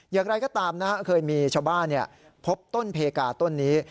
อย่างไรก็ตามนะครับเคยมีชาวบ้านพบต้นเพกาต้นนี้